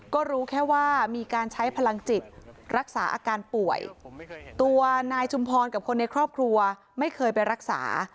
ก็รู้แค่ว่ามีการใช้พลังจิตรักษาอาการป่วยตัวนายชุมพรกับคนในครอบครัวไม่เคยไปรักษา